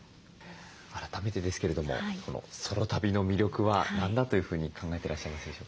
改めてですけれどもこのソロ旅の魅力は何だというふうに考えてらっしゃいますでしょうか？